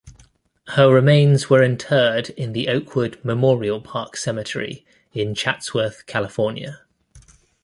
Her remains were interred in the Oakwood Memorial Park Cemetery in Chatsworth, California.